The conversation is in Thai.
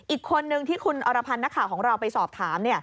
อีกคนนึงที่คุณอรพันธ์นักข่าวของเราไปสอบถาม